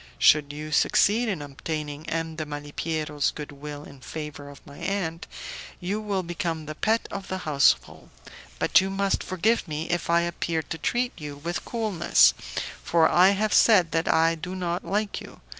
Should you succeed in obtaining M. de Malipiero's good will in favour of my aunt, you will become the pet of the household, but you must forgive me if I appear to treat you with coolness, for I have said that I do not like you.